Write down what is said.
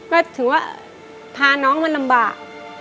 ก็ถือว่าพาน้องมาลำบาก